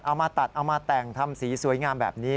เอามาตัดเอามาแต่งทำสีสวยงามแบบนี้